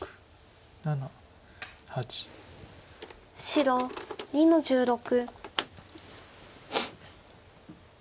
白２の十六。